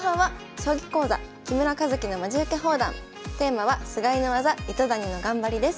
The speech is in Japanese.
テーマは「菅井の技糸谷の頑張り」です。